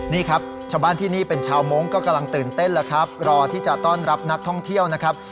นี่ครับชาวบ้านที่นี่เป็นชาวมงค์ก็กำลังตื่นเต้นแล้วครับรอที่จะต้อนรับนักท่องเที่ยวนะครับ